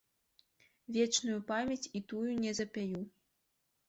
Вечную памяць і тую не запяю.